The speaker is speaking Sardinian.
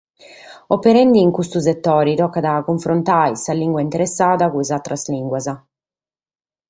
Operende in custu setore, tocat a cunfrontare sa limba interessada cun sas àteras limbas.